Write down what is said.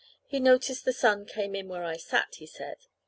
He noticed the sun came in where I sat, he said.